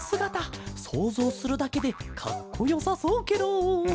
そうぞうするだけでかっこよさそうケロ。